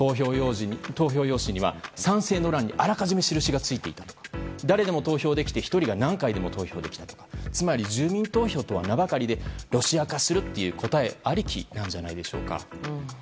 投票用紙には賛成の欄にあらかじめ印がついていたとか誰でも投票できて１人が何回も投票できたりとかつまり、住民投票とは名ばかりでロシア化するという答えありきなんじゃないんでしょうか。